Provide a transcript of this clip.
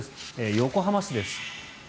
横浜市です。